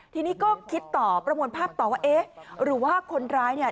ทีนี้ก็คิดต่อประมวลภาพต่อว่าเอ๊ะหรือว่าคนร้ายเนี่ย